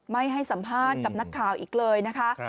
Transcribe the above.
ไม่ให้สัมภาษณ์กับนักข่าวอีกเลยนะคะ